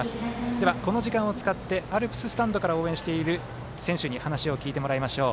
では、この時間を使ってアルプススタンドから応援している選手に話を聞いてもらいましょう。